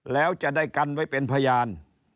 แล้วจะได้กันไว้เป็นพยาน